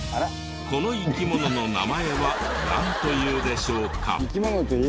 この生き物の名前はなんというでしょうか？